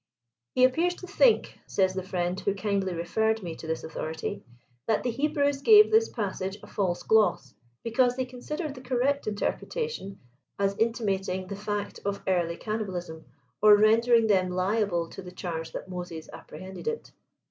"He ap pears to think," says the friend who kindly referred me to this authority, " that the Hebrews gave this passage a false gloss, because they considered the correct interpretation as intimating the fact of early cannibalism, or rendering them liable to the charge that Moses apprehended it.